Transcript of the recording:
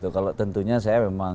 kalau tentunya saya memang